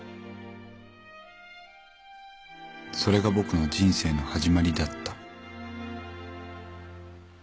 「それが僕の人生の始まりだった」